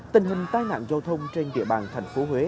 tình hình tai nạn giao thông trên địa bàn thành phố huế